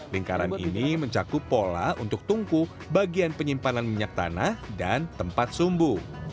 lingkaran ini mencakup pola untuk tungku bagian penyimpanan minyak tanah dan tempat sumbu